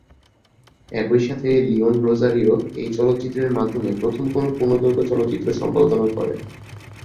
একই সাথে "লিয়ন রোজারিও এই চলচ্চিত্রের মাধমে প্রথম কোন পূর্ণদৈর্ঘ্য চলচ্চিত্র সম্পাদনা করেন"।